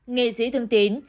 nghệ sĩ thương tín